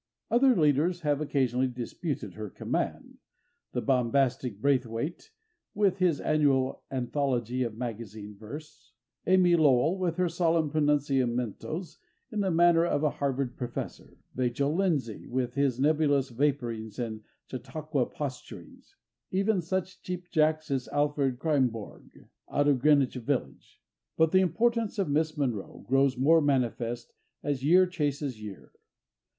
Other leaders have occasionally disputed her command—the bombastic Braithwaite, with his annual anthology of magazine verse; Amy Lowell, with her solemn pronunciamentos in the manner of a Harvard professor; Vachel Lindsay, with his nebulous vaporings and chautauqua posturings; even such cheap jacks as Alfred Kreymborg, out of Greenwich Village. But the importance of Miss Monroe grows more manifest as year chases year.